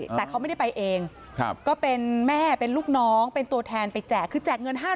แต่เขาไม่ได้ไปเองก็เป็นแม่เป็นลูกน้องเป็นตัวแทนไปแจกคือแจกเงิน๕๐๐